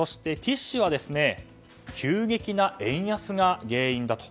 ティッシュは急激な円安が原因だと。